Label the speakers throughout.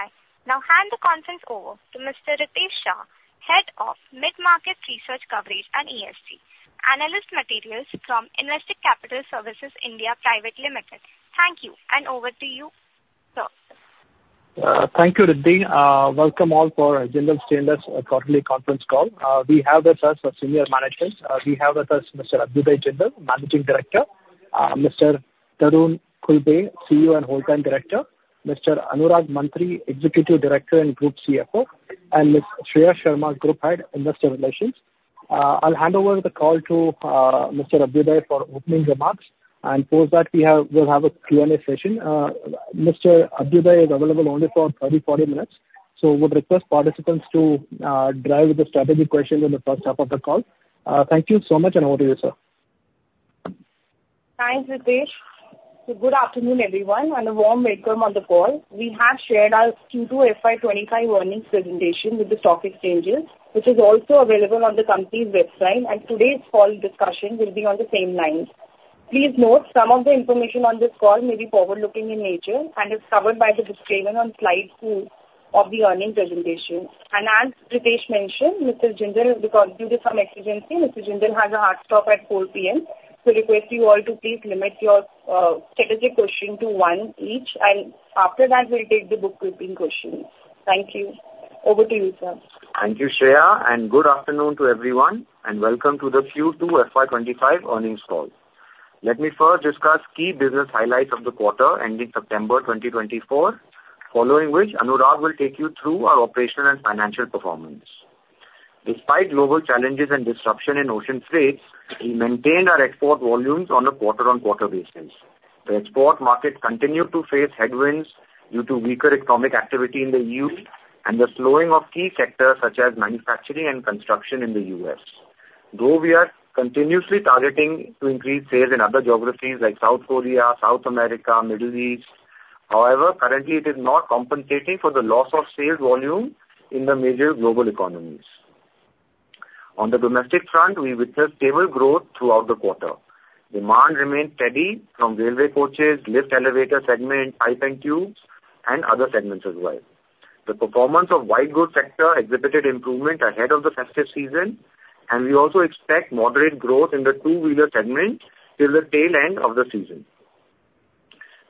Speaker 1: Hi, now handing the conference over to Mr. Ritesh Shah, Head of Mid-Market Research Coverage and ESG, analyst from Investec Capital Services India Private Limited. Thank you, and over to you, sir.
Speaker 2: Thank you, Riddhi. Welcome all for Jindal Stainless quarterly conference call. We have with us our senior management. We have with us Mr. Abhyuday Jindal, Managing Director, Mr. Tarun Khulbe, CEO and Whole Time Director, Mr. Anurag Mantri, Executive Director and Group CFO, and Ms. Shreya Sharma, Group Head, Investor Relations. I'll hand over the call to, Mr. Abhyuday for opening remarks, and post that, we have- we'll have a Q&A session. Mr. Abhyuday is available only for 30, 40 minutes, so would request participants to, drive the strategic questions in the first half of the call. Thank you so much, and over to you, sir.
Speaker 3: Thanks, Ritesh. Good afternoon, everyone, and a warm welcome on the call. We have shared our Q2 FY 2025 earnings presentation with the stock exchanges, which is also available on the company's website, and today's call discussion will be on the same lines. Please note some of the information on this call may be forward-looking in nature and is covered by the disclaimer on slide two of the earnings presentation, and as Ritesh mentioned, Mr. Jindal is because due to some emergency, Mr. Jindal has a hard stop at 4:00 P.M. So request you all to please limit your strategic question to one each, and after that, we'll take the bookkeeping questions. Thank you. Over to you, sir.
Speaker 4: Thank you, Shreya, and good afternoon to everyone, and welcome to the Q2 FY 2025 call. Let me first discuss key business highlights of the quarter ending September 2024, following which Anurag will take you through our operational and financial performance. Despite global challenges and disruption in ocean trades, we maintained our export volumes on a quarter-on-quarter basis. The export market continued to face headwinds due to weaker economic activity in the EU and the slowing of key sectors such as manufacturing and construction in the U.S. Though we are continuously targeting to increase sales in other geographies like South Korea, South America, Middle East, however, currently it is not compensating for the loss of sales volume in the major global economies. On the domestic front, we witnessed stable growth throughout the quarter. Demand remained steady from railway coaches, lift elevator segment, pipes and tubes, and other segments as well. The performance of white goods sector exhibited improvement ahead of the festive season, and we also expect moderate growth in the two-wheeler segment till the tail end of the season.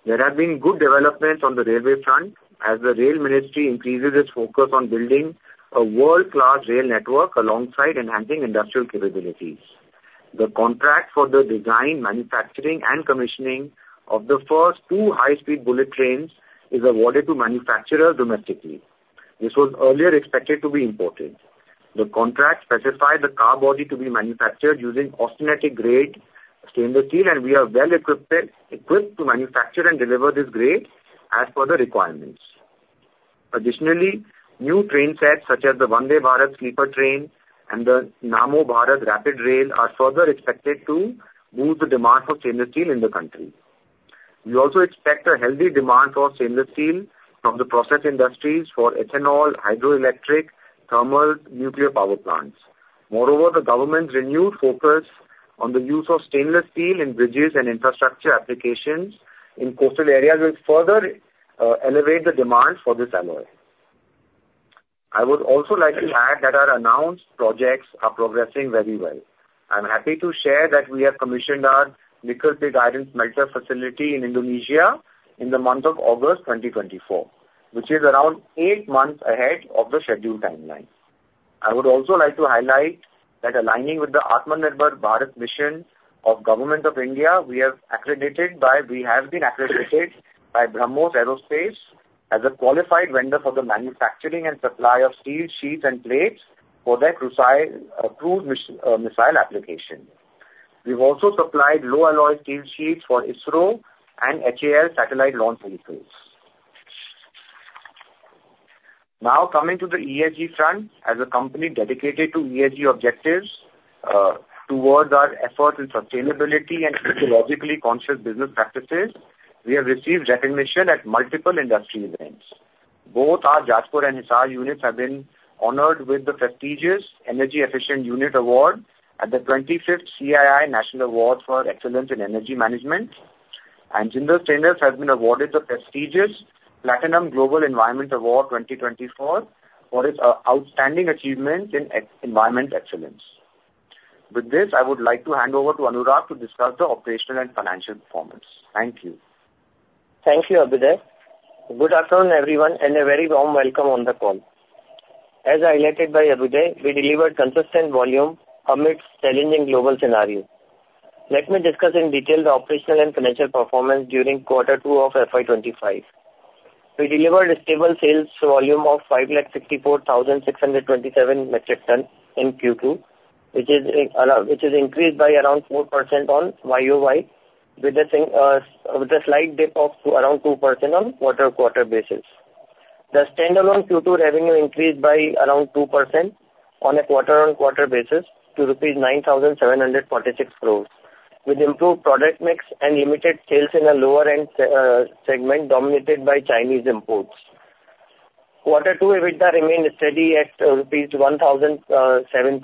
Speaker 4: There have been good developments on the railway front as the rail ministry increases its focus on building a world-class rail network alongside enhancing industrial capabilities. The contract for the design, manufacturing, and commissioning of the first two high-speed bullet trains is awarded to manufacturers domestically. This was earlier expected to be imported. The contract specifies the car body to be manufactured using austenitic grade stainless steel, and we are well equipped to manufacture and deliver this grade as per the requirements. Additionally, new train sets such as the Vande Bharat Sleeper train and the Namo Bharat Rapid Rail are further expected to boost the demand for stainless steel in the country. We also expect a healthy demand for stainless steel from the process industries, for ethanol, hydroelectric, thermal, nuclear power plants. Moreover, the government's renewed focus on the use of stainless steel in bridges and infrastructure applications in coastal areas will further elevate the demand for this alloy. I would also like to add that our announced projects are progressing very well. I'm happy to share that we have commissioned our Nickel Pig Iron Smelter facility in Indonesia in the month of August 2024, which is around eight months ahead of the scheduled timeline. I would also like to highlight that aligning with the Atmanirbhar Bharat mission of Government of India, we are accredited by... We have been accredited by BrahMos Aerospace as a qualified vendor for the manufacturing and supply of steel sheets and plates for their cruise missile application. We've also supplied low alloy steel sheets for ISRO and HAL satellite launch vehicles. Now, coming to the ESG front. As a company dedicated to ESG objectives, towards our efforts in sustainability and ecologically conscious business practices, we have received recognition at multiple industry events. Both our Jajpur and Hisar units have been honored with the prestigious Energy Efficient Unit Award at the 25th CII National Award for Excellence in Energy Management, and Jindal Stainless has been awarded the prestigious Platinum Global Environment Award 2024 for its outstanding achievement in environmental excellence. With this, I would like to hand over to Anurag to discuss the operational and financial performance. Thank you.
Speaker 5: Thank you, Abhyuday. Good afternoon, everyone, and a very warm welcome on the call. As highlighted by Abhyuday, we delivered consistent volume amidst challenging global scenario. Let me discuss in detail the operational and financial performance during quarter two of FY 2025. We delivered a stable sales volume of 564,627 metric ton in Q2, which is increased by around 4% on YoY, with a slight dip of around 2% on quarter-on-quarter basis. The standalone Q2 revenue increased by around 2% on a quarter-on-quarter basis to rupees 9,746 crore, with improved product mix and limited sales in the lower end segment, dominated by Chinese imports. Quarter two, EBITDA remained steady at 1,007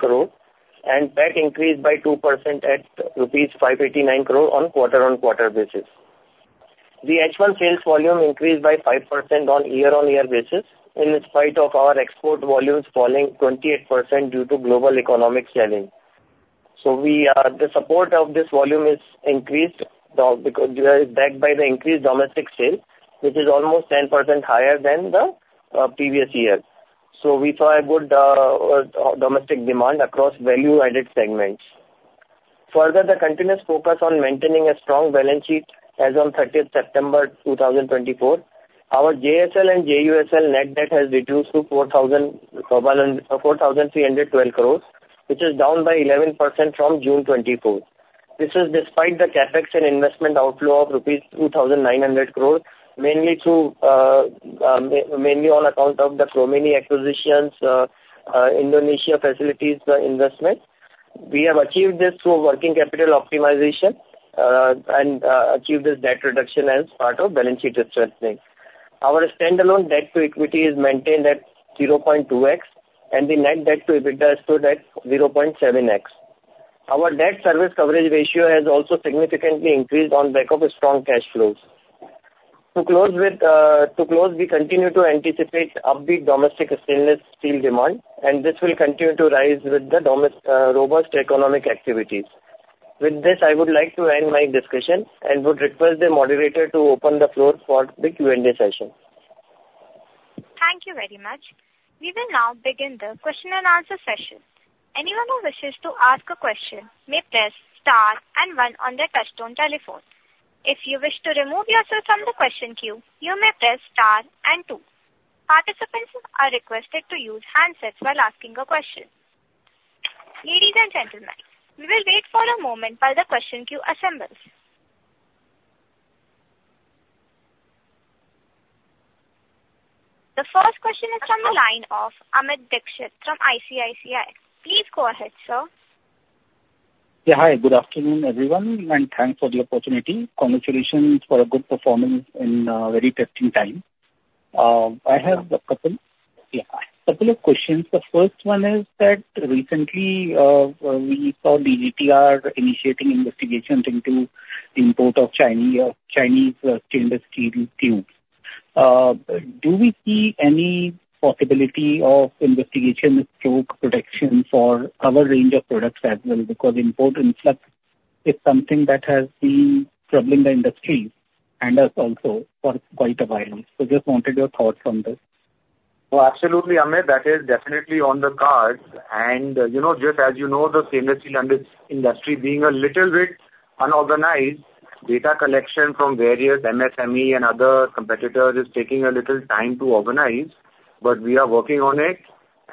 Speaker 5: crore rupees. That increased by 2% at 589 crore rupees on a quarter-on-quarter basis. The H1 sales volume increased by 5% on a year-on-year basis, in spite of our export volumes falling 28% due to global economic challenge. So we are, the support of this volume is increased, because we are backed by the increased domestic sales, which is almost 10% higher than the previous year. So we saw a good domestic demand across value-added segments. Further, the continuous focus on maintaining a strong balance sheet as on 30th September 2024, our JSL and JUSL net debt has reduced to 4,312 crore, which is down by 11% from June 2024. This is despite the CapEx and investment outflow of rupees 2,900 crore, mainly on account of the Chromeni acquisitions, Indonesia facilities, investment. We have achieved this through working capital optimization and achieved this debt reduction as part of balance sheet strengthening. Our standalone debt to equity is maintained at 0.2x, and the net debt to EBITDA stood at 0.7x. Our debt service coverage ratio has also significantly increased on back of strong cash flows. To close with, we continue to anticipate upbeat domestic stainless steel demand, and this will continue to rise with the domestic robust economic activities. With this, I would like to end my discussion and would request the moderator to open the floor for the Q&A session.
Speaker 1: Thank you very much. We will now begin the question and answer session. Anyone who wishes to ask a question may press star and one on their touchtone telephone. If you wish to remove yourself from the question queue, you may press star and two. Participants are requested to use handsets while asking a question. Ladies and gentlemen, we will wait for a moment while the question queue assembles. The first question is from the line of Amit Dixit from ICICI. Please go ahead, sir.
Speaker 6: Yeah, hi, good afternoon, everyone, and thanks for the opportunity. Congratulations for a good performance in very testing time. I have a couple, yeah, couple of questions. The first one is that recently we saw the DGTR initiating investigations into import of Chinese stainless steel tubes. Do we see any possibility of investigation into protection for our range of products as well? Because import influx is something that has been troubling the industry and us also for quite a while. So just wanted your thoughts on this.
Speaker 5: Oh, absolutely, Amit, that is definitely on the cards. And, you know, just as you know, the stainless steel industry being a little bit unorganized, data collection from various MSME and other competitors is taking a little time to organize. But we are working on it,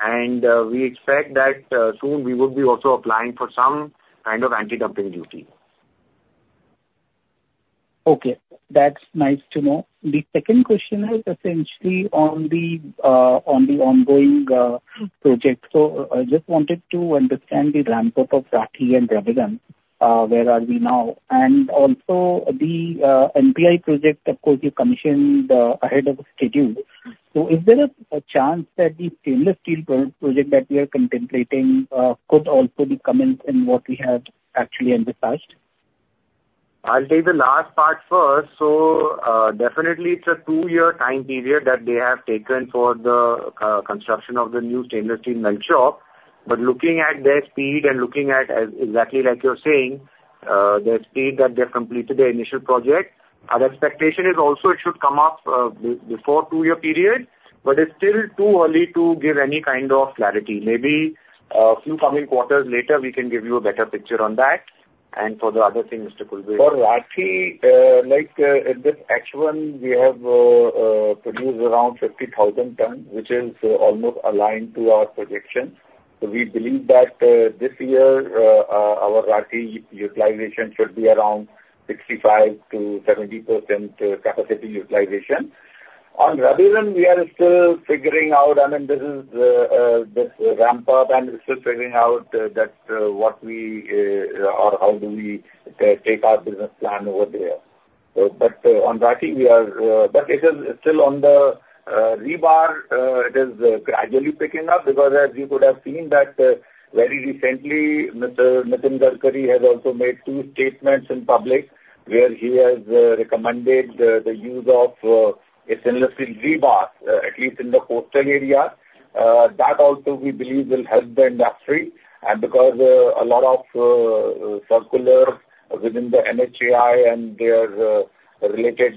Speaker 5: and we expect that soon we would be also applying for some kind of anti-dumping duty.
Speaker 6: Okay. That's nice to know. The second question is essentially on the ongoing project. So I just wanted to understand the ramp up of Rathi and Raigarh. Where are we now? And also the NPI project, of course, you commissioned ahead of schedule. So is there a chance that the stainless steel project that we are contemplating could also be coming in what we had actually envisaged?
Speaker 5: I'll take the last part first. So, definitely it's a two-year time period that they have taken for the construction of the new stainless steel melt shop. But looking at their speed and looking at, as exactly like you're saying, the speed that they've completed their initial project, our expectation is also it should come up before two-year period, but it's still too early to give any kind of clarity. Maybe few coming quarters later, we can give you a better picture on that. And for the other thing, Mr. Khulbe.
Speaker 7: For Rathi, like, this H1, we have produced around 50,000 tons, which is almost aligned to our projection. So we believe that, this year, our Rathi utilization should be around 65%-70% capacity utilization. On Raigarh, we are still figuring out, I mean, this is this ramp up, and we're still figuring out, that, what we, or how do we take our business plan over there. But, on Rathi, we are... But it is still on the rebar, it is gradually picking up. Because as you could have seen that, very recently, Mr. Nitin Gadkari has also made two statements in public, where he has recommended the, the use of, a stainless steel rebar, at least in the coastal areas. That also, we believe, will help the industry. And because a lot of circulars within the NHAI and their related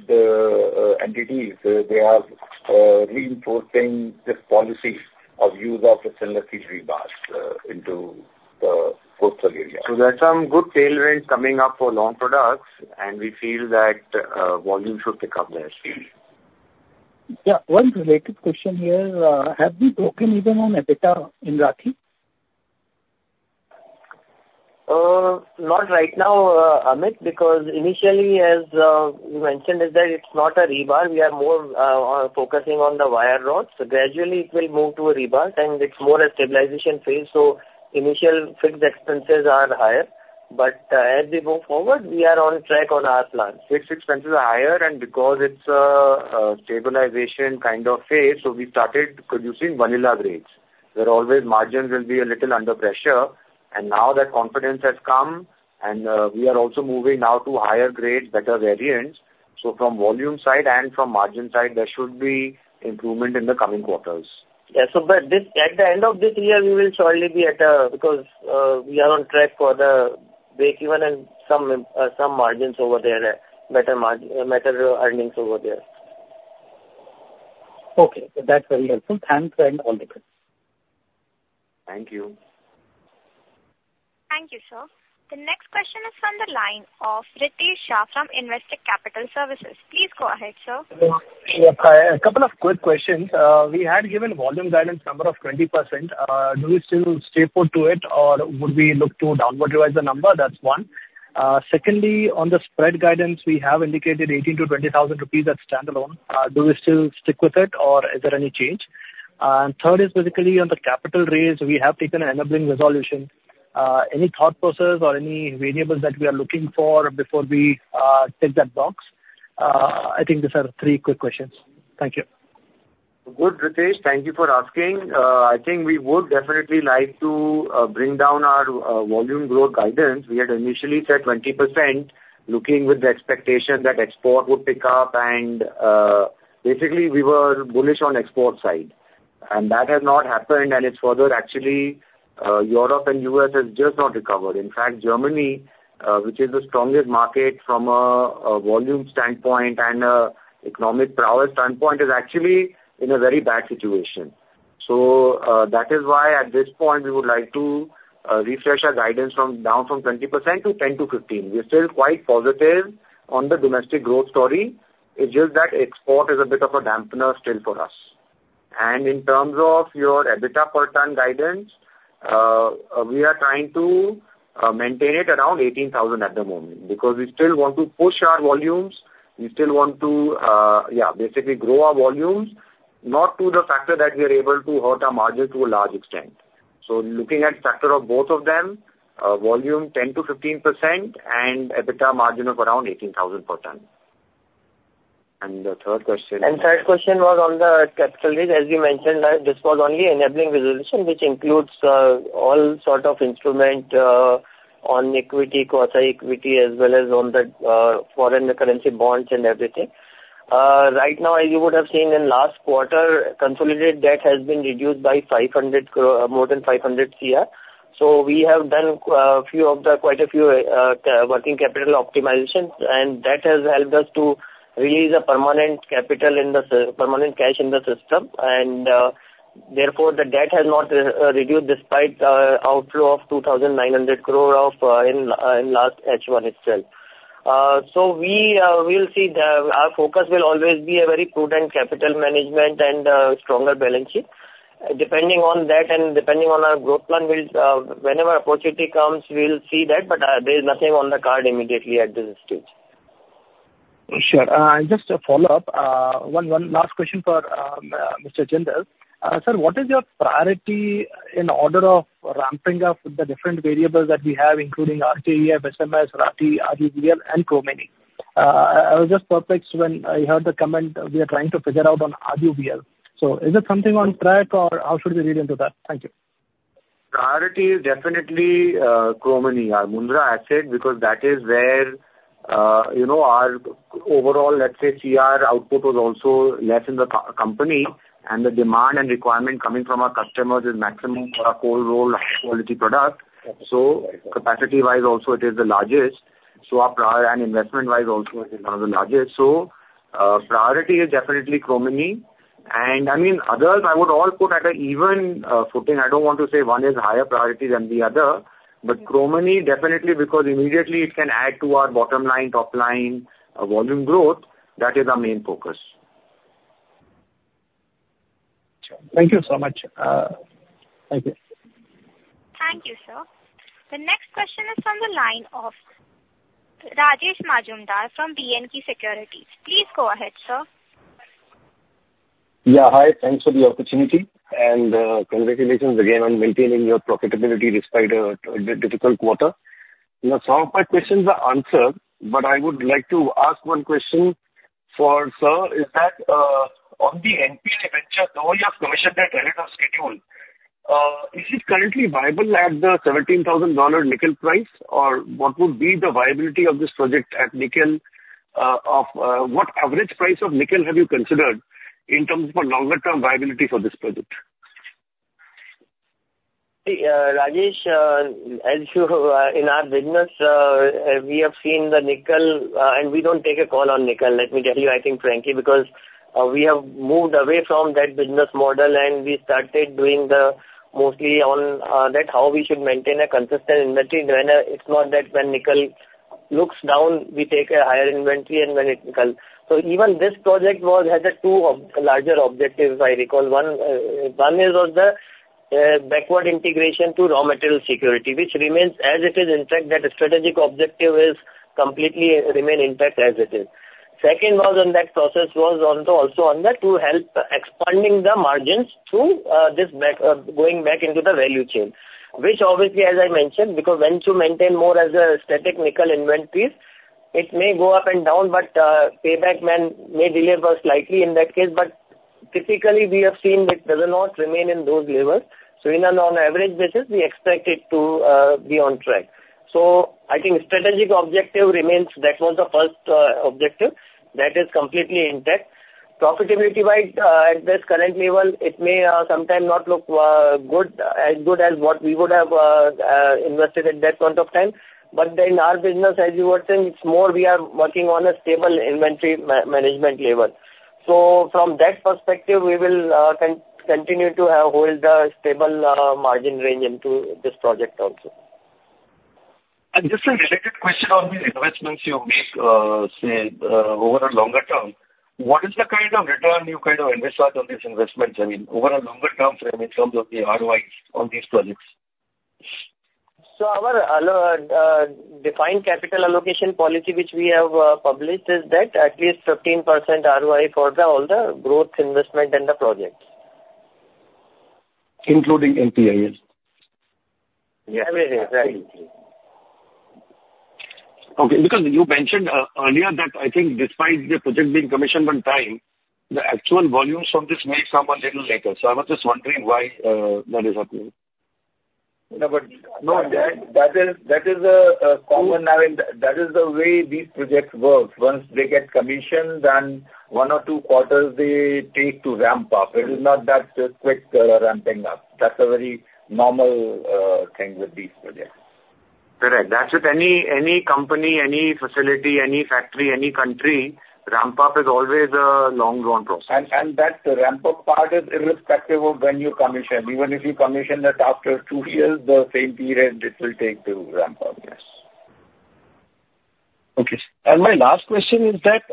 Speaker 7: entities, they are reinforcing this policy of use of the stainless steel rebars into the coastal areas.
Speaker 5: So there are some good tailwinds coming up for long products, and we feel that volume should pick up there seriously.
Speaker 6: Yeah. One related question here: Have we broken even on EBITDA in Rathi?
Speaker 5: Not right now, Amit, because initially, as you mentioned, is that it's not a rebar. We are more focusing on the wire rods. So gradually it will move to a rebar, and it's more a stabilization phase, so initial fixed expenses are higher.... But, as we move forward, we are on track on our plan.
Speaker 4: Fixed expenses are higher, and because it's a stabilization kind of phase, so we started producing vanilla grades, where always margins will be a little under pressure. And now that confidence has come, and we are also moving now to higher grades, better variants. So from volume side and from margin side, there should be improvement in the coming quarters.
Speaker 5: Yeah, so but this, at the end of this year, we will surely be at, because we are on track for the breakeven and some margins over there, better margin, better earnings over there.
Speaker 6: Okay. That's very helpful. Thanks, and all the best.
Speaker 4: Thank you.
Speaker 1: Thank you, sir. The next question is from the line of Ritesh Shah from Investec Capital Services. Please go ahead, sir.
Speaker 2: Yeah, a couple of quick questions. We had given volume guidance number of 20%. Do we still stay put to it, or would we look to downward revise the number? That's one. Secondly, on the spread guidance, we have indicated 18,000-20,000 rupees at standalone. Do we still stick with it, or is there any change? And third is basically on the capital raise, we have taken an enabling resolution. Any thought process or any variables that we are looking for before we tick that box? I think these are three quick questions. Thank you.
Speaker 4: Good, Ritesh. Thank you for asking. I think we would definitely like to bring down our volume growth guidance. We had initially said 20%, looking with the expectation that export would pick up, and basically, we were bullish on export side. And that has not happened, and it's further actually, Europe and U.S. has just not recovered. In fact, Germany, which is the strongest market from a volume standpoint and economic prowess standpoint, is actually in a very bad situation. So, that is why, at this point, we would like to refresh our guidance down from 20% to 10%-15%. We're still quite positive on the domestic growth story. It's just that export is a bit of a dampener still for us. And in terms of your EBITDA per ton guidance, we are trying to maintain it around 18,000 at the moment, because we still want to push our volumes. We still want to basically grow our volumes, not to the factor that we are able to hurt our margin to a large extent. So looking at factor of both of them, volume 10%-15% and EBITDA margin of around 18,000 per ton. And the third question?
Speaker 5: And third question was on the capital raise. As we mentioned, this was only enabling resolution, which includes all sort of instrument on equity, quasi-equity, as well as on the foreign currency bonds and everything. Right now, as you would have seen in last quarter, consolidated debt has been reduced by more than 500 crore. So we have done quite a few working capital optimizations, and that has helped us to release permanent cash in the system. And therefore, the debt has not reduced despite outflow of 2,900 crore in last H1 itself. So our focus will always be a very prudent capital management and stronger balance sheet. Depending on that and depending on our growth plan, we'll, whenever opportunity comes, we'll see that, but, there is nothing on the card immediately at this stage.
Speaker 2: Sure. Just a follow-up. One last question for Mr. Jindal. Sir, what is your priority in order of ramping up the different variables that we have, including RKEF, SMS, Rathi, RVPL, and Chromeni? I was just perplexed when I heard the comment, we are trying to figure out on RVPL. So is it something on track, or how should we read into that? Thank you.
Speaker 4: Priority is definitely, Chromeni, our Mundra asset, because that is where, you know, our overall, let's say, CR output was also less in the company, and the demand and requirement coming from our customers is maximum for our cold roll high quality product. So capacity-wise also, it is the largest, so our priority and investment-wise also, it is one of the largest. Priority is definitely Chromeni. I mean, others, I would all put at an even footing. I don't want to say one is higher priority than the other. But Chromeni, definitely, because immediately it can add to our bottom line, top line, volume growth. That is our main focus.
Speaker 2: Thank you so much. Thank you.
Speaker 1: Thank you, sir. The next question is from the line of Rajesh Majumdar from B&K Securities. Please go ahead, sir.
Speaker 8: Yeah, hi, thanks for the opportunity, and, congratulations again on maintaining your profitability despite a difficult quarter. You know, some of my questions are answered, but I would like to ask one question for sir. Is that on the NPI venture, the only commissioned smelter in Indonesia, is it currently viable at the $17,000 nickel price? Or what would be the viability of this project at nickel, of, what average price of nickel have you considered in terms of a longer-term viability for this project?
Speaker 5: Rajesh, as you in our business, we have seen the nickel, and we don't take a call on nickel, let me tell you, I think, frankly, because we have moved away from that business model, and we started doing the mostly on, that, how we should maintain a consistent inventory. When it's not that when nickel looks down, we take a higher inventory and when it comes... So even this project was, had two objectives, if I recall. One, one is on the, backward integration to raw material security, which remains as it is. In fact, that strategic objective remains completely intact as it is. Second was on that process, which was on, also on that to help expanding the margins through this, going back into the value chain, which obviously, as I mentioned, because once you maintain more of a strategic nickel inventories, it may go up and down, but payback period may delay slightly in that case, but typically we have seen it does not remain in those levels. So on an average basis, we expect it to be on track. So I think strategic objective remains. That was the first objective. That is completely intact. Profitability-wise, at this current level, it may sometimes not look good, as good as what we would have invested at that point of time. But in our business, as you were saying, it's more we are working on a stable inventory management level. So from that perspective, we will continue to hold the stable margin range into this project also.
Speaker 8: Just a related question on the investments you make, say, over a longer term, what is the kind of return you kind of anticipate on these investments? I mean, over a longer term frame in terms of the ROIs on these projects.
Speaker 5: Our well-defined capital allocation policy, which we have published, is that at least 15% ROI for all the growth, investment and the projects.
Speaker 8: Including NPI?
Speaker 5: Yes, it is, right.
Speaker 8: Okay, because you mentioned earlier that I think despite the project being commissioned on time, the actual volumes from this may come a little later. So I was just wondering why that is happening.
Speaker 4: No, but no, that is a common avenue. That is the way these projects work. Once they get commissioned, then one or two quarters they take to ramp up. It is not that quick ramping up. That's a very normal thing with these projects.
Speaker 5: Correct. That's with any company, any facility, any factory, any country, ramp up is always a long, drawn process.
Speaker 4: And that ramp up part is irrespective of when you commission. Even if you commission that after two years, the same period, it will take to ramp up. Yes.
Speaker 8: Okay. And my last question is that,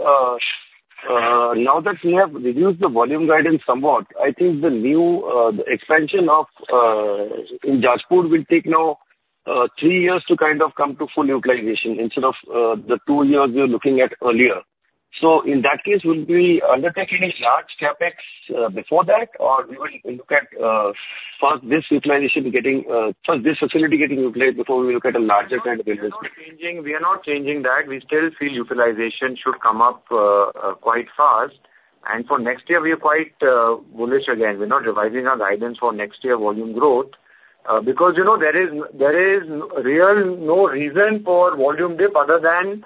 Speaker 8: now that we have reduced the volume guidance somewhat, I think the new, the expansion of, in Jajpur will take now, three years to kind of come to full utilization instead of, the two years you're looking at earlier. So in that case, will we undertake any large CapEx, before that? Or we will look at, first, this utilization getting, first, this facility getting utilized before we look at a larger kind of investment?
Speaker 4: We are not changing, we are not changing that. We still feel utilization should come up quite fast. For next year we are quite bullish again. We're not revising our guidance for next year volume growth, because, you know, there really is no reason for volume dip other than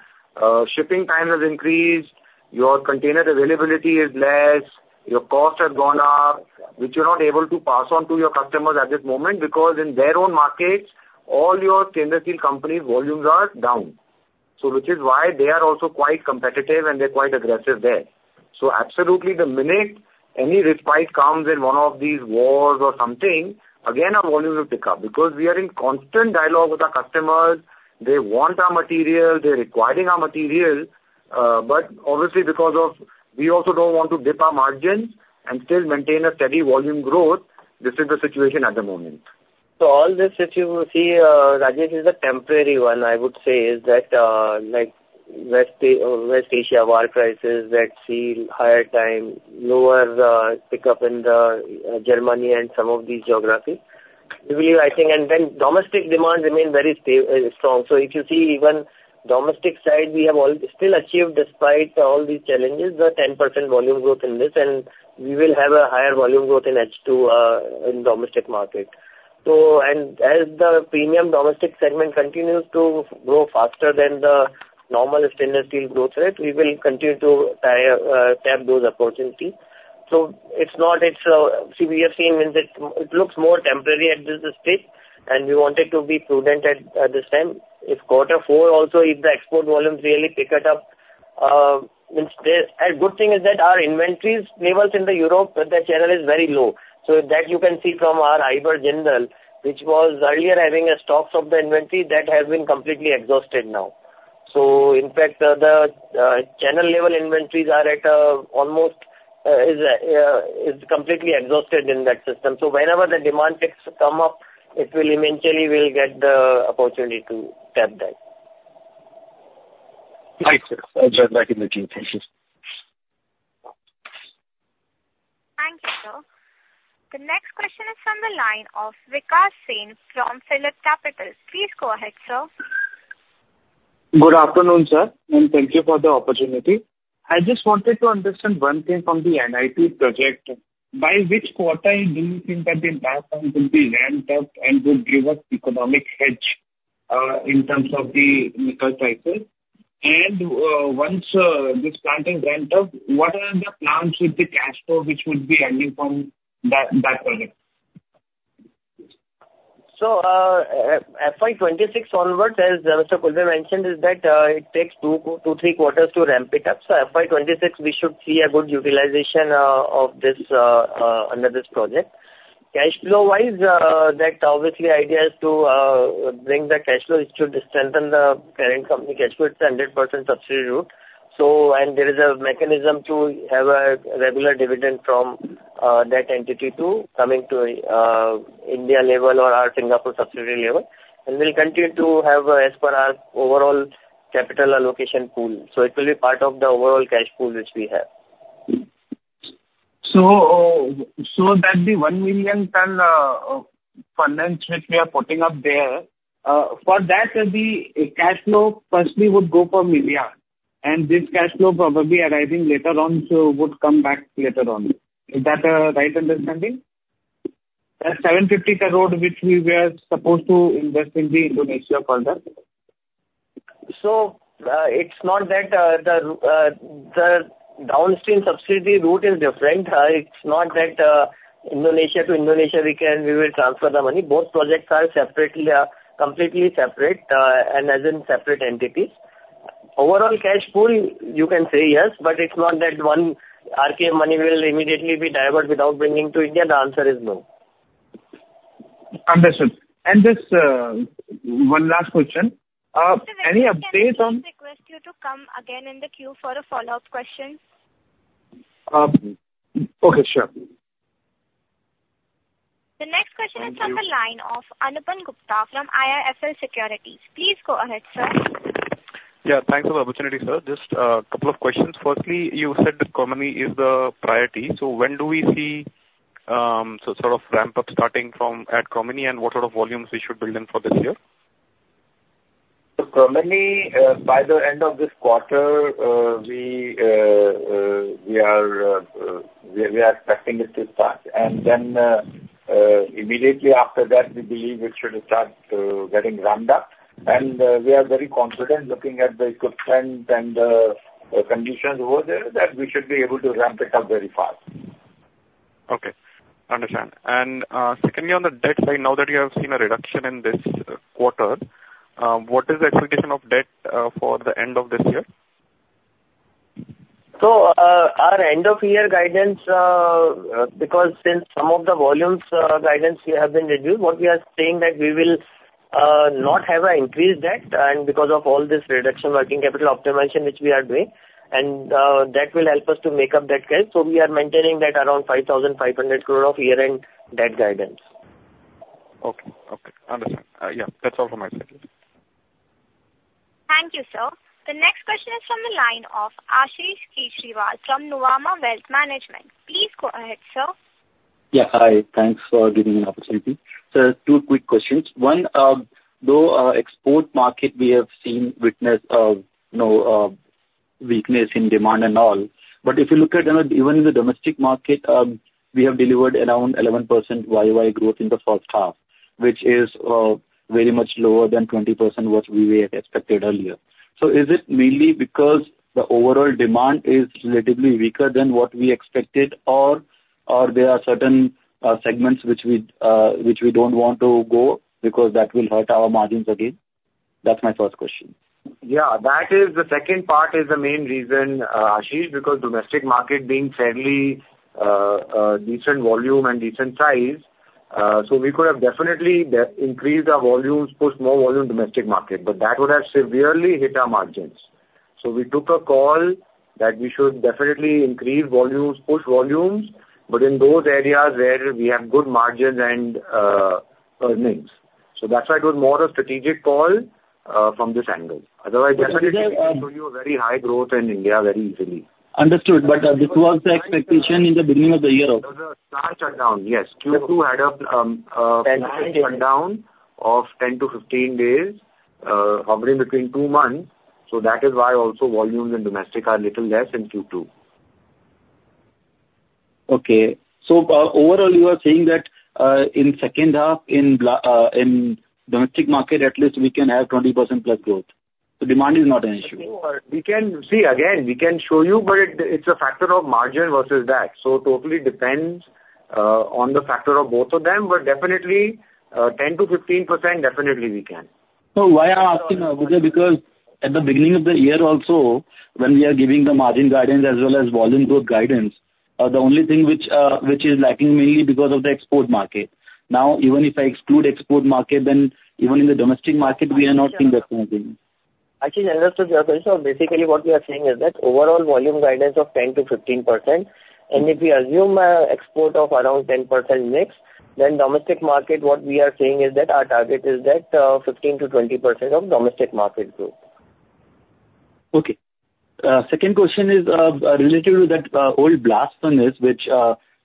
Speaker 4: shipping time has increased, your container availability is less, your costs have gone up, which you're not able to pass on to your customers at this moment, because in their own markets, all your stainless steel companies' volumes are down. Which is why they are also quite competitive and they're quite aggressive there. Absolutely, the minute any respite comes in one of these wars or something, again, our volumes will pick up. Because we are in constant dialogue with our customers. They want our material, they're requiring our material, but obviously because of... we also don't want to dip our margins and still maintain a steady volume growth. This is the situation at the moment.
Speaker 5: So all this, if you see, Rajesh, is a temporary one, I would say, is that, like West Asia war prices that see higher time, lower, pickup in the, Germany and some of these geographies. We, I think and then domestic demand remain very strong. So if you see even domestic side, we have all still achieved, despite all these challenges, a 10% volume growth in this, and we will have a higher volume growth in H2, in domestic market. So, and as the premium domestic segment continues to grow faster than the normal stainless steel growth rate, we will continue to tap those opportunities. So it's not, it's, see, we are seeing is it, it looks more temporary at this stage, and we wanted to be prudent at this time. If quarter four also, if the export volumes really pick it up, means there. A good thing is that our inventories levels in the Europe, that channel is very low. So that you can see from our Iberjindal, which was earlier having a stocks of the inventory that has been completely exhausted now. So in fact, the channel level inventories are at a almost is completely exhausted in that system. So whenever the demand picks come up, it will eventually get the opportunity to tap that.
Speaker 8: Right, sir. I'll get back in the queue. Thank you.
Speaker 1: Thank you, sir. The next question is from the line of Vikash Singh from PhillipCapital. Please go ahead, sir.
Speaker 9: Good afternoon, sir, and thank you for the opportunity. I just wanted to understand one thing from the NPI project. By which quarter do you think that the plant will be ramped up and will give us economic hedge in terms of the nickel prices? And, once this plant is ramped up, what are the plans with the cash flow, which would be generated from that project?
Speaker 5: FY 2026 onwards, as Mr. Khulbe mentioned, it takes two, three quarters to ramp it up. FY 2026, we should see a good utilization of this under this project. Cash flow-wise, that obviously idea is to bring the cash flow is to strengthen the parent company cash flow. It is a 100% subsidiary route. There is a mechanism to have a regular dividend from that entity to coming to India level or our Singapore subsidiary level. We will continue to have as per our overall capital allocation pool. It will be part of the overall cash pool which we have.
Speaker 9: So that the one million ton furnace which we are putting up there, for that the cash flow firstly would go for India, and this cash flow probably arriving later on, so would come back later on. Is that a right understanding?
Speaker 5: That 750 crore, which we were supposed to invest in the Indonesia project. It's not that the downstream subsidiary route is different. It's not that India to Indonesia we can, we will transfer the money. Both projects are separately, are completely separate, and as in separate entities. Overall cash pool, you can say yes, but it's not that one RKEF money will immediately be diverted without bringing to India. The answer is no.
Speaker 9: Understood. And just, one last question. Any update on-
Speaker 1: Can I just request you to come again in the queue for a follow-up question?
Speaker 9: Okay, sure.
Speaker 1: The next question is from the line of Anupam Gupta from IIFL Securities. Please go ahead, sir.
Speaker 10: Yeah, thanks for the opportunity, sir. Just, a couple of questions. Firstly, you said that Chromeni is the priority, so when do we see, sort of ramp up starting from at Chromeni, and what sort of volumes we should build in for this year?
Speaker 4: Chromeni, by the end of this quarter, we are expecting it to start. And then, immediately after that, we believe it should start getting ramped up. And we are very confident, looking at the equipment and conditions over there, that we should be able to ramp it up very fast.
Speaker 10: Okay. Understand. And, secondly, on the debt side, now that you have seen a reduction in this quarter, what is the expectation of debt for the end of this year?
Speaker 5: So, our end of year guidance, because since some of the volumes guidance we have been reduced, what we are saying that we will not have an increased debt, and because of all this reduction working capital optimization, which we are doing, and that will help us to make up that gap. So we are maintaining that around 5,500 crore of year-end debt guidance.
Speaker 10: Okay. Okay. Understand. Yeah, that's all from my side.
Speaker 1: Thank you, sir. The next question is from the line of Ashish Kejriwal from Nuvama Wealth Management. Please go ahead, sir.
Speaker 11: Yeah, hi. Thanks for giving me the opportunity. Sir, two quick questions. One, though our export market, we have witnessed, you know, weakness in demand and all, but if you look at even in the domestic market, we have delivered around 11% YoY growth in the first half, which is very much lower than 20% what we were expected earlier. So is it mainly because the overall demand is relatively weaker than what we expected, or there are certain segments which we don't want to go because that will hurt our margins again? That's my first question.
Speaker 4: Yeah, that is the second part is the main reason, Ashish, because domestic market being fairly, decent volume and decent size, so we could have definitely increased our volumes, push more volume domestic market, but that would have severely hit our margins. So we took a call that we should definitely increase volumes, push volumes, but in those areas where we have good margins and, earnings. So that's why it was more a strategic call, from this angle. Otherwise, we in very high growth in India very easily.
Speaker 11: Understood, but this was the expectation in the beginning of the year.
Speaker 4: There was a partial shutdown. Yes. Q2 had a shutdown of 10 days-15 days, hovering between two months, so that is why also volumes in domestic are little less in Q2.
Speaker 11: Okay. So overall, you are saying that in second half, in domestic market, at least we can have 20% plus growth. The demand is not an issue.
Speaker 4: We can. See, again, we can show you, but it, it's a factor of margin versus that. So totally depends on the factor of both of them, but definitely 10%-15%, definitely we can.
Speaker 11: So why I'm asking, because at the beginning of the year also, when we are giving the margin guidance as well as volume growth guidance, the only thing which is lacking mainly because of the export market. Now, even if I exclude export market, then even in the domestic market, we are not seeing the same thing.
Speaker 4: Actually, understood. So basically what we are saying is that overall volume guidance of 10%-15%, and if we assume a export of around 10% mix, then domestic market, what we are saying is that 15%-20% of domestic market growth.
Speaker 11: Okay. Second question is, related to that, old blast furnace, which,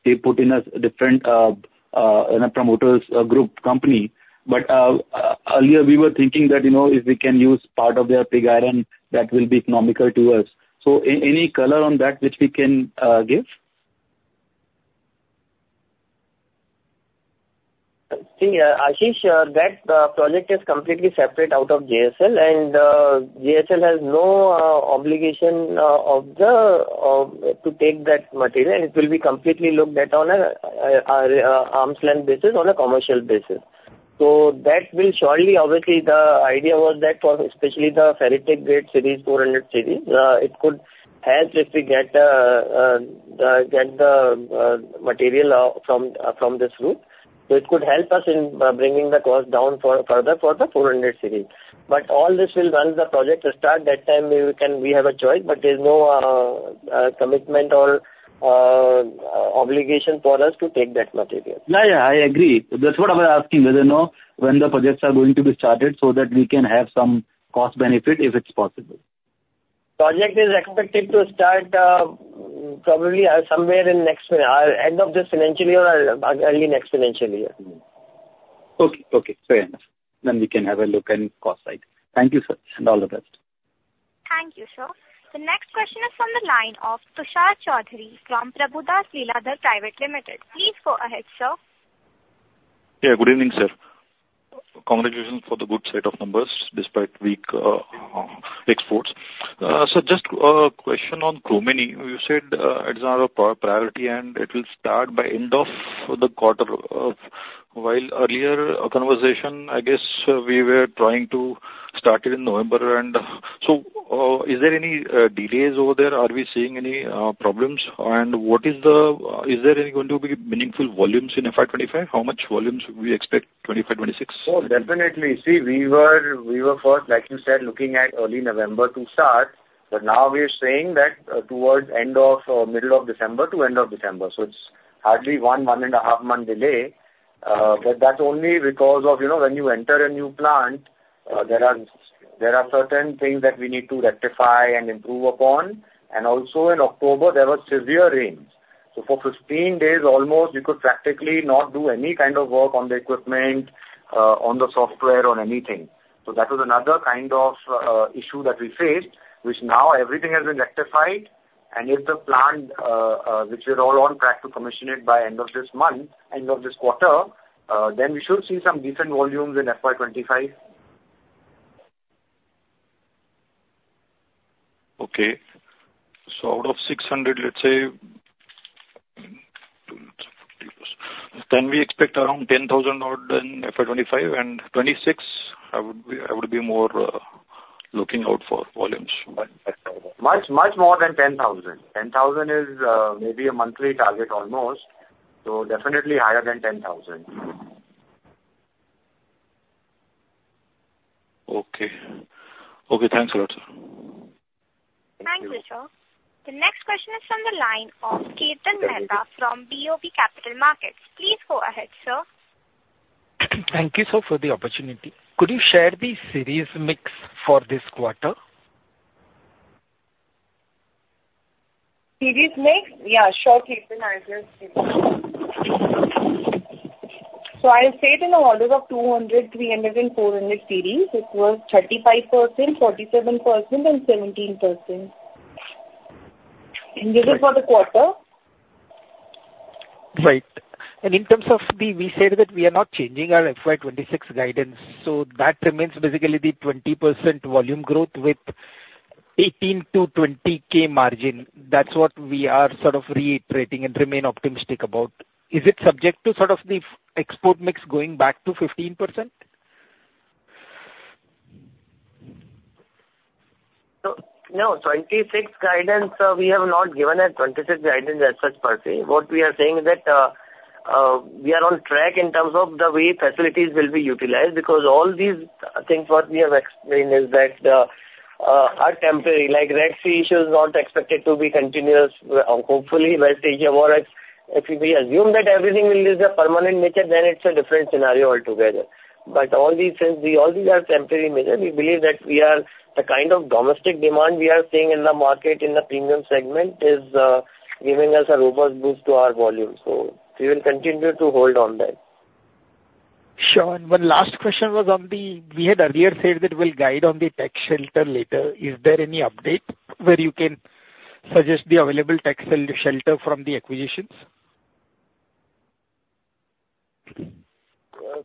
Speaker 11: they put in a different, in a promoters group company. But, earlier we were thinking that, you know, if we can use part of their pig iron, that will be economical to us. So any color on that, which we can give?
Speaker 4: See, Ashish, that project is completely separate out of JSL, and JSL has no obligation to take that material. It will be completely looked at on a arm's length basis, on a commercial basis. So that will surely obviously, the idea was that for especially the ferritic grade series, 400 series, it could help if we get the material from this group. So it could help us in bringing the cost down for the 400 series. But all this will, once the project start, that time we can—we have a choice, but there's no commitment or obligation for us to take that material.
Speaker 11: Yeah, yeah, I agree. That's what I was asking, whether or not when the projects are going to be started so that we can have some cost benefit, if it's possible? ...
Speaker 4: Project is expected to start, probably, somewhere in next month or end of this financial year or early next financial year.
Speaker 11: Okay. Okay, fair enough. Then we can have a look on cost side. Thank you, sir, and all the best.
Speaker 1: Thank you, sir. The next question is from the line of Tushar Chaudhari from Prabhudas Lilladher Private Limited. Please go ahead, sir.
Speaker 12: Yeah, good evening, sir. Congratulations for the good set of numbers despite weak exports. So just question on Chromeni. You said it is our priority, and it will start by end of the quarter, while earlier conversation, I guess, we were trying to start it in November. And so is there any delays over there? Are we seeing any problems? And what is the... Is there any going to be meaningful volumes in FY 2025? How much volumes we expect 2025, 2026?
Speaker 4: Oh, definitely. See, we were first, like you said, looking at early November to start, but now we are saying that towards end of middle of December to end of December, so it's hardly 1.5 month delay, but that's only because of, you know, when you enter a new plant, there are certain things that we need to rectify and improve upon, and also in October, there were severe rains, so for 15 days almost, we could practically not do any kind of work on the equipment, on the software, on anything. So that was another kind of issue that we faced, which now everything has been rectified, and if the plant, which we're all on track to commission it by end of this month, end of this quarter, then we should see some decent volumes in FY 2025.
Speaker 12: Okay. So out of 600,000 tons, let's say, then we expect around 10,000 tons out in FY 2025 and 2026. I would be more looking out for volumes by that time.
Speaker 4: Much, much more than 10,000 tons. 10,000 tons is, maybe a monthly target almost, so definitely higher than 10,000 tons.
Speaker 12: Okay. Okay, thanks a lot, sir.
Speaker 1: Thank you, sir. The next question is from the line of Kirtan Mehta from BOB Capital Markets. Please go ahead, sir.
Speaker 13: Thank you, sir, for the opportunity. Could you share the series mix for this quarter?
Speaker 3: Series mix? Yeah, sure, Kirtan. So I said in the order of 200, 300, and 400 series, it was 35%, 47%, and 17%. And this is for the quarter.
Speaker 13: Right. And in terms of the, we said that we are not changing our FY 2026 guidance, so that remains basically the 20% volume growth with 18,000-20,000 margin. That's what we are sort of reiterating and remain optimistic about. Is it subject to sort of the export mix going back to 15%?
Speaker 5: So no, 2026 guidance, we have not given a 2026 guidance as such, per se. What we are saying is that, we are on track in terms of the way facilities will be utilized, because all these things what we have explained are temporary, like Red Sea issue is not expected to be continuous. Hopefully, by stage or more, if we assume that everything is a permanent nature, then it's a different scenario altogether. But all these things, all these are temporary measure. We believe that the kind of domestic demand we are seeing in the market, in the premium segment, is giving us a robust boost to our volume. We will continue to hold on that.
Speaker 13: Sure. And one last question was on the... We had earlier said that we'll guide on the tax shelter later. Is there any update where you can suggest the available tax shelter from the acquisitions?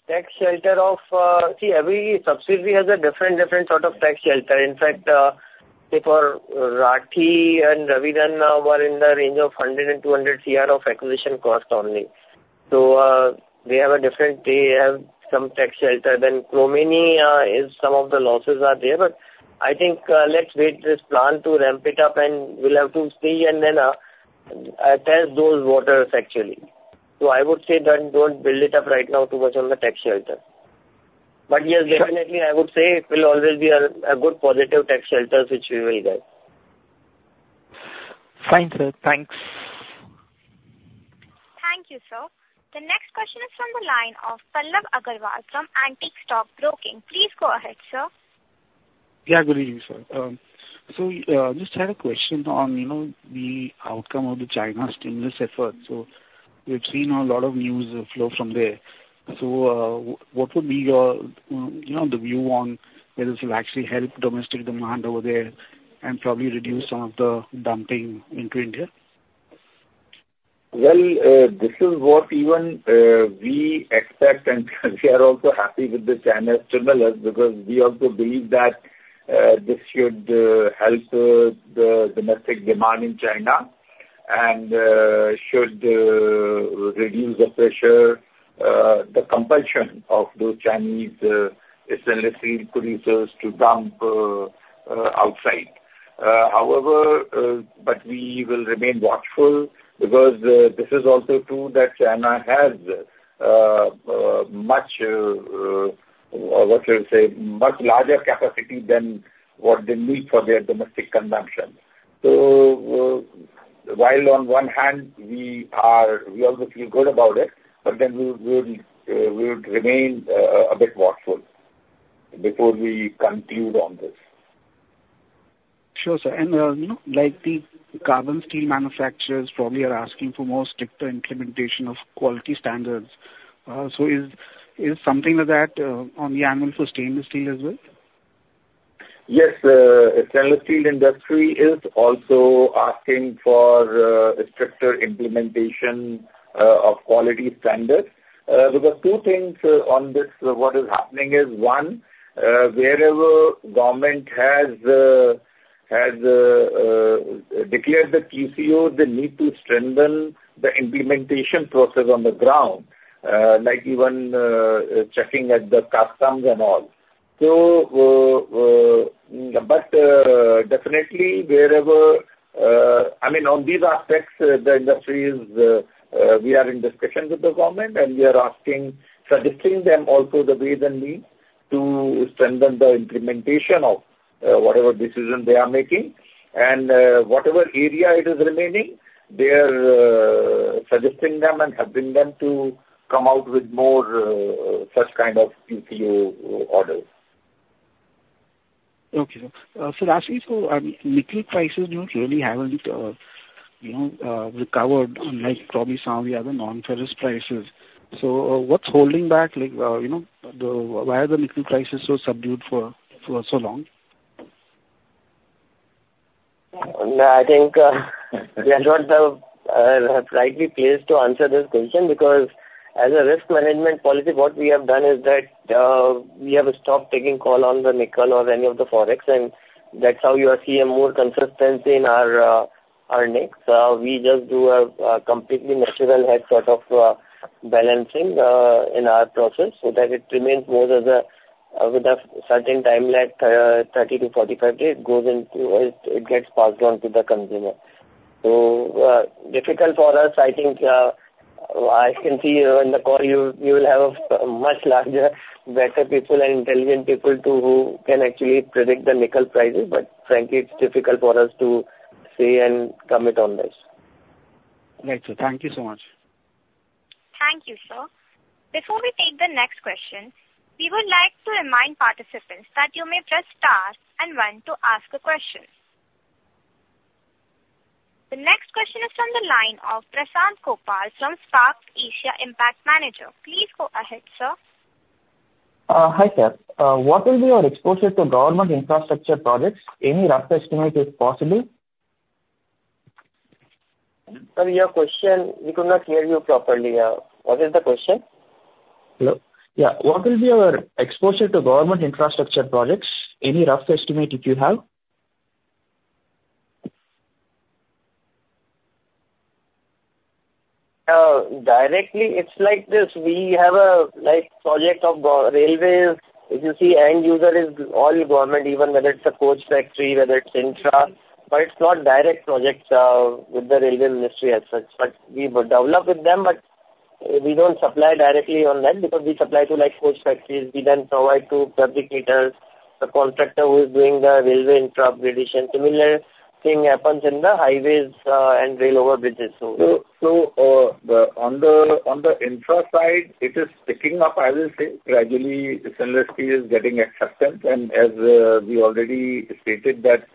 Speaker 5: Tax shelter of, see, every subsidiary has a different sort of tax shelter. In fact, say, for Rathi and Raigarh were in the range of 100 crore-200 crore of acquisition cost only. So, they have a different, they have some tax shelter. Then Chromeni, some of the losses are there, but I think, let's wait for this plan to ramp it up, and we'll have to see and then, offset those losses actually. So I would say then, don't build it up right now too much on the tax shelter. But yes, definitely, I would say it will always be a, a good positive tax shelters, which we will get.
Speaker 13: Fine, sir. Thanks.
Speaker 1: Thank you, sir. The next question is from the line of Pallav Agarwal from Antique Stock Broking. Please go ahead, sir.
Speaker 14: Yeah, good evening, sir. So, just had a question on, you know, the outcome of the China stimulus effort. So we've seen a lot of news flow from there. So, what would be your, you know, the view on whether this will actually help domestic demand over there and probably reduce some of the dumping into India?
Speaker 7: Well, this is what even we expect, and we are also happy with the China stimulus, because we also believe that this should help the domestic demand in China and should reduce the pressure, the compulsion of those Chinese stainless steel producers to dump outside. However, but we will remain watchful because this is also true that China has much, what should I say? Much larger capacity than what they need for their domestic consumption.... While on one hand we are, we also feel good about it, but then we, we'll, we would remain a bit watchful before we conclude on this.
Speaker 14: Sure, sir. And, you know, like the carbon steel manufacturers probably are asking for more stricter implementation of quality standards. So is something like that on the anvil for stainless steel as well?
Speaker 7: Yes, stainless steel industry is also asking for stricter implementation of quality standards. There are two things on this. What is happening is, one, wherever government has declared the QCO, they need to strengthen the implementation process on the ground, like even checking at the customs and all. So, but, definitely wherever, I mean, on these aspects, the industry is, we are in discussions with the government, and we are asking, suggesting them also the ways and means to strengthen the implementation of whatever decision they are making. Whatever area it is remaining, they are suggesting them and helping them to come out with more such kind of QCO orders.
Speaker 14: Okay, sir. Sir, lastly, so nickel prices really haven't, you know, recovered, unlike probably some of the other non-ferrous prices. So what's holding back? Like, you know, the, why are the nickel prices so subdued for so long?
Speaker 7: I think, we are not the, rightly placed to answer this question, because as a risk management policy, what we have done is that, we have stopped taking call on the nickel or any of the forex, and that's how you are seeing more consistency in our, our mix. We just do a completely natural hedge sort of, balancing, in our process, so that it remains more of a, with a certain time lag, thirty to forty-five days, it goes into, it gets passed on to the consumer. So, difficult for us, I think, I can see in the call you, you will have a much larger, better people and intelligent people to who can actually predict the nickel prices, but frankly, it's difficult for us to say and commit on this.
Speaker 14: Right, sir. Thank you so much.
Speaker 1: Thank you, sir. Before we take the next question, we would like to remind participants that you may press star and one to ask a question. The next question is from the line of Prasanth Gopal from Spark Asia Impact Managers. Please go ahead, sir.
Speaker 15: Hi, sir. What will be your exposure to government infrastructure projects? Any rough estimate, if possible?
Speaker 5: Sir, your question, we could not hear you properly. What is the question?
Speaker 15: Hello? Yeah, what will be your exposure to government infrastructure projects? Any rough estimate that you have?
Speaker 5: Directly, it's like this. We have, like, a project for railways. If you see, end user is all government, even whether it's a coach factory, whether it's infra, but it's not direct projects with the railway ministry as such. But we would develop with them, but we don't supply directly on that because we supply to, like, coach factories. We then provide to fabricators, the contractor who is doing the railway infra upgrade. Similar thing happens in the highways and rail over bridges.
Speaker 7: On the infra side, it is picking up, I will say. Gradually, stainless steel is getting acceptance, and as we already stated that,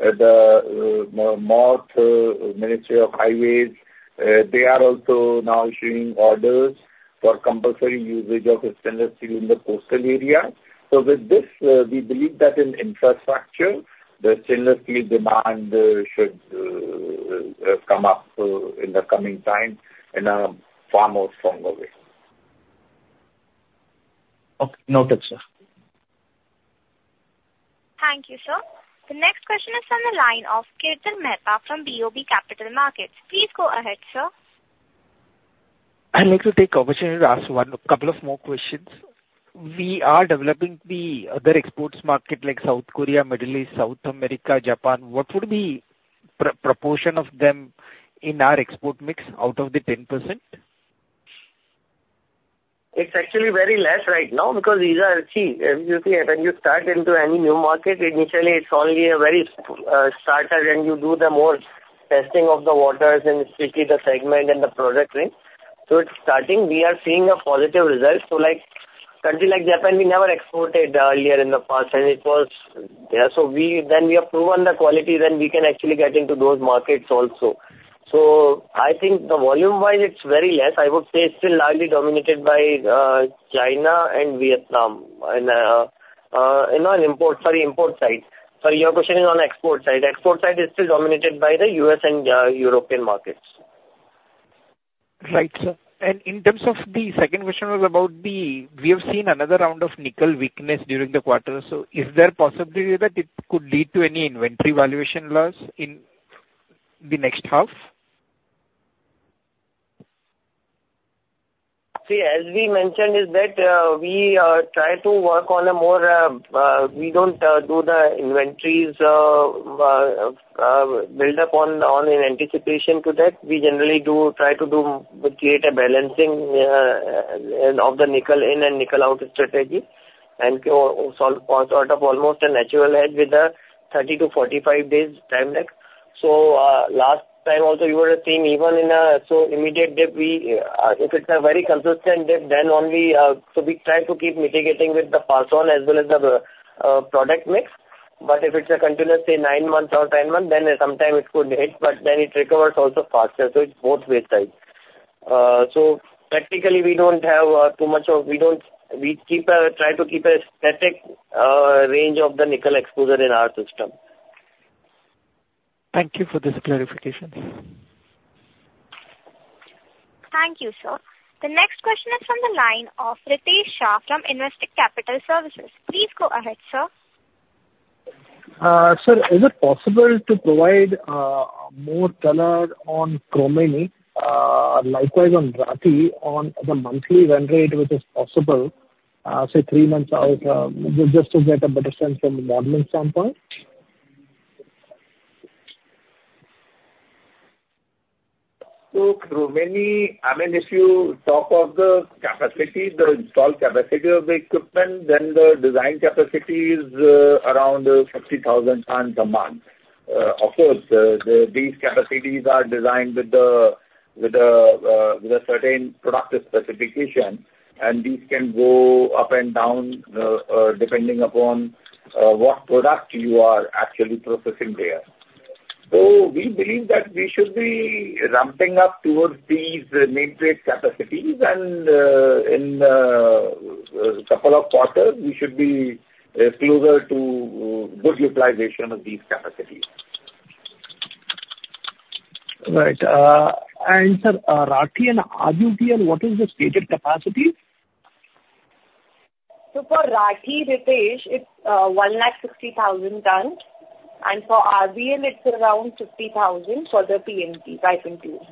Speaker 7: MoRTH, Ministry of Road Transport and Highways, they are also now issuing orders for compulsory usage of stainless steel in the coastal area. So with this, we believe that in infrastructure, the stainless steel demand should come up in the coming time in a far more stronger way.
Speaker 15: Okay. Noted, sir.
Speaker 1: Thank you, sir. The next question is from the line of Kirtan Mehta from BOB Capital Markets. Please go ahead, sir.
Speaker 13: I'd like to take the opportunity to ask one, couple of more questions. We are developing the other export markets, like South Korea, Middle East, South America, Japan. What would be proportion of them in our export mix out of the 10%?
Speaker 5: It's actually very less right now because these are. See, if you see, when you start into any new market, initially it's only a very starter, and you do the more testing of the waters and especially the segment and the product range. So it's starting. We are seeing a positive result. So like, country like Japan, we never exported earlier in the past, and it was, yeah. So then we have proven the quality, then we can actually get into those markets also. So I think the volume-wise, it's very less. I would say it's still largely dominated by China and Vietnam and in our import, sorry, import side. Sorry, your question is on export side. Export side is still dominated by the U.S. and European markets.
Speaker 13: Right, sir, and in terms of the second question was about the, we have seen another round of nickel weakness during the quarter. So, is there a possibility that it could lead to any inventory valuation loss in the next half?
Speaker 5: See, as we mentioned, is that we try to work on a more. We don't do the inventories build up on in anticipation to that. We generally try to do create a balancing of the nickel in and nickel out strategy and sort of almost a natural edge with a 30 days-45 days time lag. So last time also you were seeing even in a so immediate dip, we if it's a very consistent dip, then only so we try to keep mitigating with the pass on as well as the product mix. But if it's a continuous, say, nine months or 10 months, then sometime it could hit, but then it recovers also faster. So it's both ways side. Practically, we try to keep a static range of the nickel exposure in our system.
Speaker 13: Thank you for this clarification.
Speaker 1: Thank you, sir. The next question is from the line of Ritesh Shah from Investec Capital Services. Please go ahead, sir.
Speaker 2: Sir, is it possible to provide more color on Chromeni, likewise on Rathi, on the monthly run rate, which is possible, say, three months out, just to get a better sense from the volume standpoint?
Speaker 4: So Chromeni, I mean, if you talk of the capacity, the installed capacity of the equipment, then the design capacity is around 60,000 tons a month. Of course, these capacities are designed with a certain productive specification, and these can go up and down depending upon what product you are actually processing there. So we believe that we should be ramping up towards these midrate capacities, and in a couple of quarters, we should be closer to good utilization of these capacities.
Speaker 2: Right. And sir, Rathi and RVPL, what is the stated capacity?
Speaker 3: For Rathi, Ritesh, it's 1 lakh 60,000 tons, and for RVPL, it's around 60,000 tons for the P&T, pipe and tube.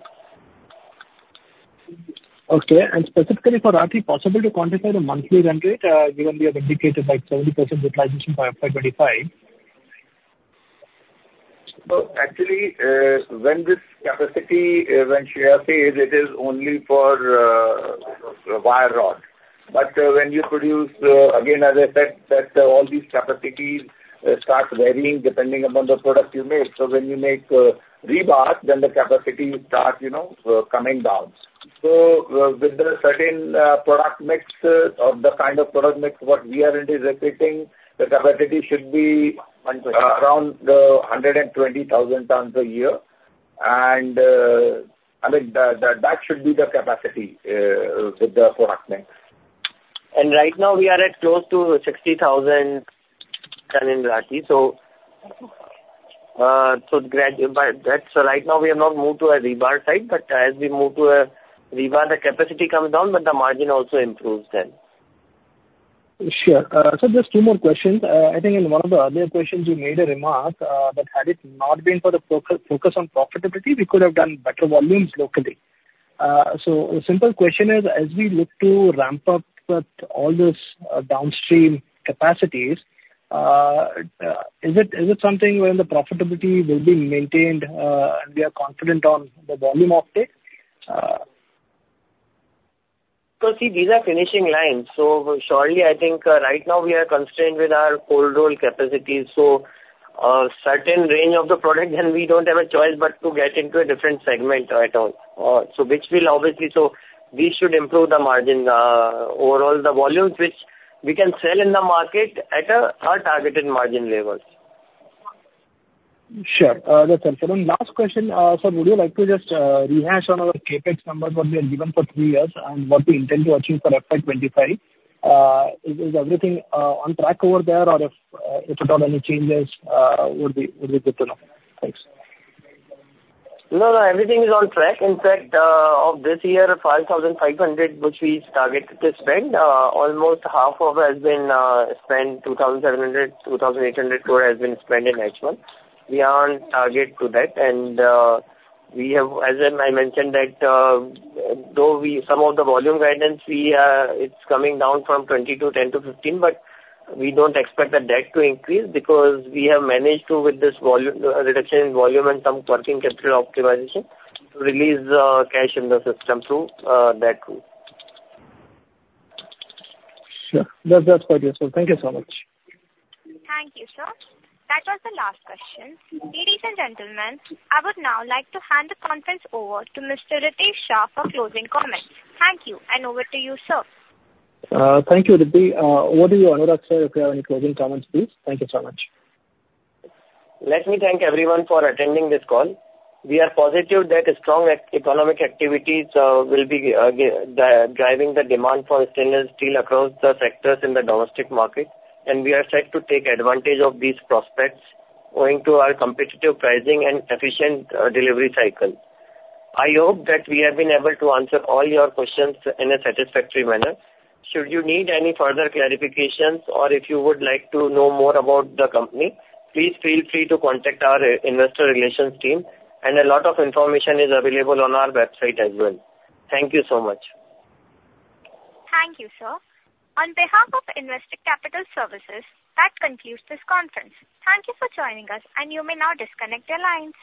Speaker 2: Okay. And specifically for Rathi, possible to quantify the monthly run rate, given we have indicated, like, 70% utilization by FY 2025?
Speaker 4: So actually, when this capacity, when Shreya says it is only for wire rod. But when you produce, again, as I said, that all these capacities start varying depending upon the product you make. So when you make rebar, then the capacity start, you know, coming down. So with the certain product mix, or the kind of product mix what we are anticipating, the capacity should be around 120,000 tons a year. And I mean, that should be the capacity with the product mix. And right now we are at close to 60,000 ton in Rathi, so. But that's right now we have not moved to a rebar side, but as we move to a rebar, the capacity comes down, but the margin also improves then.
Speaker 2: Sure. Sir, just two more questions. I think in one of the earlier questions you made a remark that had it not been for the focus on profitability, we could have done better volumes locally. So a simple question is, as we look to ramp up with all those downstream capacities, is it something where the profitability will be maintained and we are confident on the volume of it?
Speaker 5: So see, these are finishing lines, so surely, I think, right now we are constrained with our cold roll capacity. So, certain range of the product, then we don't have a choice but to get into a different segment right on. So which will obviously... So we should improve the margin, overall, the volumes which we can sell in the market at our targeted margin levels.
Speaker 2: Sure. That's answered, and last question, sir, would you like to just rehash on our CapEx numbers what we have given for three years and what we intend to achieve for FY 2025? Is everything on track over there, or if at all any changes would be good to know. Thanks.
Speaker 5: No, no, everything is on track. In fact, of this year, 5,500, which we targeted to spend, almost half of has been spent. 2,700 crore-2,800 crore has been spent in March 2021. We are on target to that, and we have, as I mentioned, that though some of the volume guidance, we, it's coming down from 20 to 10 to 15, but we don't expect the debt to increase, because we have managed to, with this volume reduction in volume and some working capital optimization, to release cash in the system through that route.
Speaker 2: Sure. That's, that's quite useful. Thank you so much.
Speaker 1: Thank you, sir. That was the last question. Ladies and gentlemen, I would now like to hand the conference over to Mr. Ritesh Shah for closing comments. Thank you, and over to you, sir.
Speaker 2: Thank you, Ritesh. Over to you, Anurag Mantri, if you have any closing comments, please. Thank you so much.
Speaker 5: Let me thank everyone for attending this call. We are positive that strong economic activities will be driving the demand for stainless steel across the sectors in the domestic market, and we are set to take advantage of these prospects, owing to our competitive pricing and efficient delivery cycle. I hope that we have been able to answer all your questions in a satisfactory manner. Should you need any further clarifications, or if you would like to know more about the company, please feel free to contact our investor relations team, and a lot of information is available on our website as well. Thank you so much.
Speaker 1: Thank you, sir. On behalf of Investec Capital Services, that concludes this conference. Thank you for joining us, and you may now disconnect your lines.